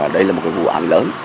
đây là một cái vụ án lớn